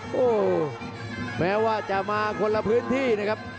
โอ้โหแม้ว่าจะมาคนละพื้นที่นะครับ